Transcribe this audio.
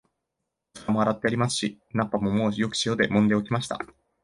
お皿も洗ってありますし、菜っ葉ももうよく塩でもんで置きました